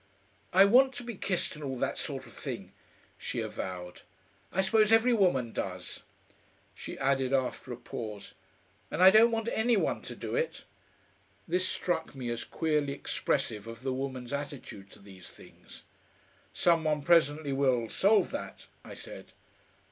"I WANT to be kissed, and all that sort of thing," she avowed. "I suppose every woman does." She added after a pause: "And I don't want any one to do it." This struck me as queerly expressive of the woman's attitude to these things. "Some one presently will solve that," I said.